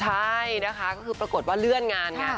ใช่นะคะก็คือปรากฏว่าเลื่อนงานไง